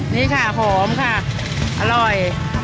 นี่ค่ะหอมค่ะอร่อย